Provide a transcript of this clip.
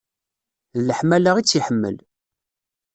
D leḥmala i tt-iḥemmel.